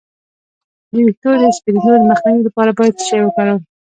د ویښتو د سپینیدو مخنیوي لپاره باید څه شی وکاروم؟